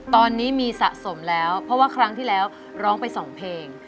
ตอนนี้มีสะสมแล้วเพราะว่าครั้งที่แล้วร้องไปสองเพลง